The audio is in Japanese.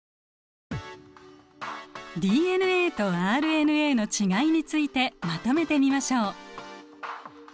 ＤＮＡとＲＮＡの違いについてまとめてみましょう。